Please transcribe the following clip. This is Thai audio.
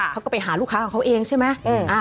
เขาก็ไปหาลูกค้าของเขาเองใช่ไหม